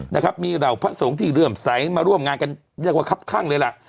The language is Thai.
นะครับมีเหล่าพระสงฆ์ที่เริ่มใสมาร่วมงานกันเรียกว่าครับข้างเลยล่ะ